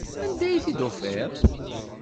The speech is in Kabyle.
Anda ay t-id-tufiḍ?